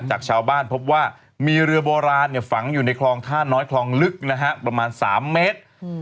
จากชาวบ้านพบว่ามีเรือโบราณฝังอยู่ในคลองท่าน้อยคลองลึกนะฮะประมาณ๓เมตร